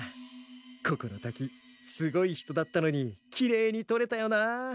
ここの滝すごい人だったのにきれいにとれたよなあ。